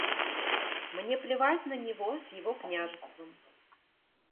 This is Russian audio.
Мне плевать на него с его княжеством.